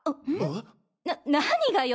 な何がよ！？